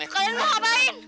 kalian mau ngapain